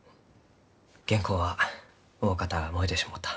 原稿はおおかた燃えてしもうた。